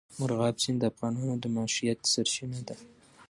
مورغاب سیند د افغانانو د معیشت سرچینه ده.